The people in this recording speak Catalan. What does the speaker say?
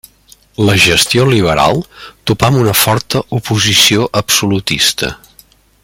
La gestió liberal topà amb una forta oposició absolutista.